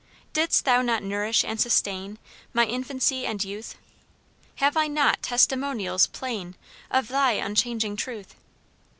"Dids't thou not nourish and sustain My infancy and youth? Have I not testimonials plain, Of thy unchanging truth?